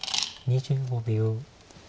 ２５秒。